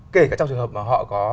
kể cả trong trường hợp mà họ có